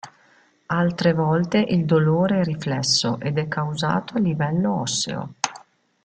Altre volte il dolore è riflesso ed è causato a livello osseo.